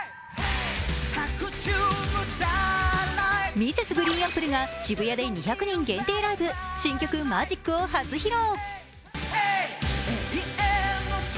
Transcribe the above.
Ｍｒｓ．ＧＲＥＥＮＡＰＰＬＥが渋谷で２００人限定ライブ、新曲「マジック」を初披露。